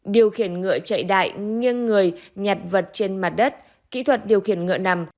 điều khiển ngựa chạy đại nghiêng người nhặt vật trên mặt đất kỹ thuật điều khiển ngựa nằm